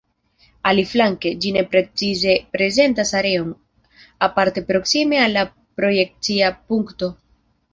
Aliflanke, ĝi ne precize prezentas areon, aparte proksime al la projekcia punkto.